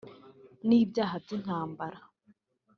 n’ibyaha by’intambara